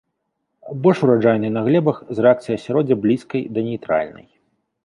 Больш ураджайныя на глебах з рэакцыяй асяроддзя блізкай да нейтральнай.